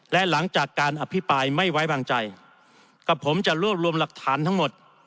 และหลังจากการอภิปรายไม่ไว้วางใจกับผมจะรวบรวมหลักฐานทั้งหมด